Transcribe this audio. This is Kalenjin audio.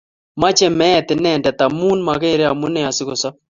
Mochey meet inendet amun mokerey amune asikosop.